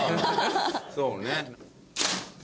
そうね。